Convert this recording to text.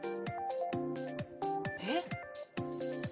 ・えっ？